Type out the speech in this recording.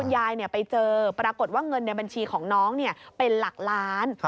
ยายไปเจอปรากฏว่าเงินในบัญชีของน้องเป็นหลักล้าน